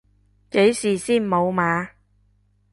幾時先無碼？